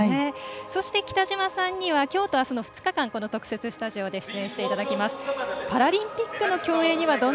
そして、北島さんにはきょうと、あすの２日間この特設スタジオで解説していただきます。